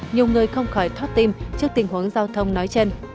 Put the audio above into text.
nhiều người không khỏi thoát tim trước tình huống giao thông nói trên